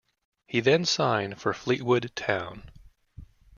He then signed for Fleetwood Town.